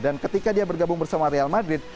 ketika dia bergabung bersama real madrid